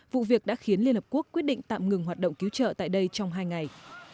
vụ việc đã khiến liên hợp quốc quyết định tạm ngừng hoạt động cứu trợ tại đây trong hai ngày